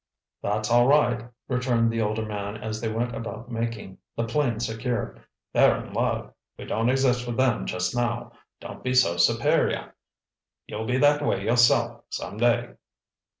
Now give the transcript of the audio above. "That's all right," returned the older man as they went about making the plane secure. "They're in love. We don't exist for them just now. Don't be so superior—you'll be that way yourself some day!"